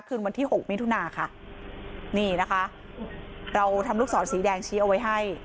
คืนวันที่หกมิถุนาค่ะนี่นะคะเราทำลูกศรสีแดงชี้เอาไว้ให้